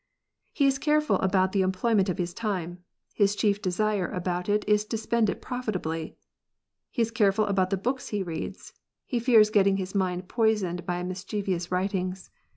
He is careful about the employment of his time : his chief desire about it is to spend it profitably. He is careful about the books he reads : he fears getting his mind poisoned by mischievous writings.